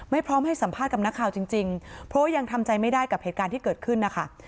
พร้อมให้สัมภาษณ์กับนักข่าวจริงเพราะว่ายังทำใจไม่ได้กับเหตุการณ์ที่เกิดขึ้นนะคะ